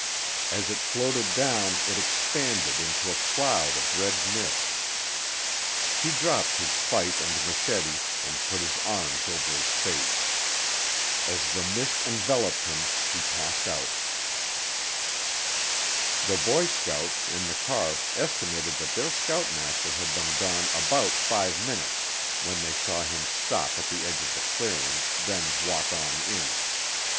As it floated down it expanded into a cloud of red mist. He dropped his fight and machete, and put his arms over his face. As the mist enveloped him, he passed out. The boy scouts, in the car, estimated that their scoutmaster had been gone about five minutes when they saw him stop at the edge of the clearing, then walk on in.